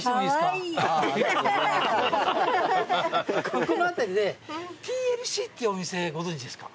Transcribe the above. ここの辺りでＴＬＣってお店ご存じですか？